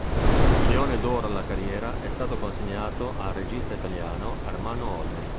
Il Leone d'oro alla carriera è stato consegnato al regista italiano Ermanno Olmi.